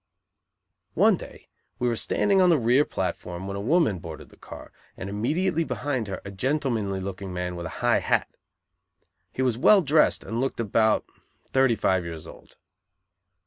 One day we were standing on the rear platform when a woman boarded the car, and immediately behind her a gentlemanly looking man with a high hat. He was well dressed and looked about thirty five years old.